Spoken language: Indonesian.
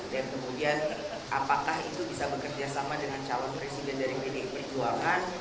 dan kemudian apakah itu bisa bekerjasama dengan calon presiden dari pdi perjuangan